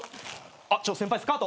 あっ先輩スカート。